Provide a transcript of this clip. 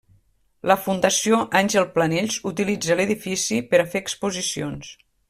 La Fundació Àngel Planells utilitza l'edifici per a fer exposicions.